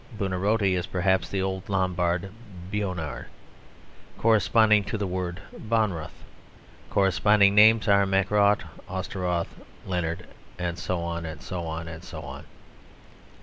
Buonarotti is perhaps the old Lombard Beonrad, corresponding to the word Bonroth. Corresponding names are Mackrodt, Osterroth, Leonard." And so on, and so on, and so on.